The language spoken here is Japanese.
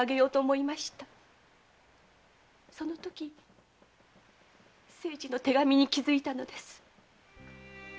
そのときに清次の手紙に気づいたのです。